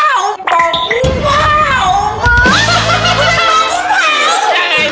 ยังไงเชิง